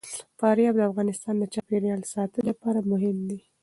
فاریاب د افغانستان د چاپیریال ساتنې لپاره مهم دي.